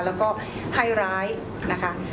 แล้วก็ให้ร้ายนะคะ